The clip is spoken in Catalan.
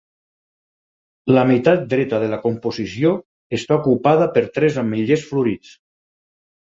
La meitat dreta de la composició està ocupada per tres ametllers florits.